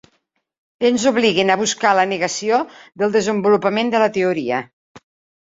Ens obliguen a buscar la negació del desenvolupament de la teoria.